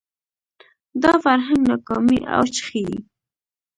دا فرهنګ ناکامۍ اوج ښيي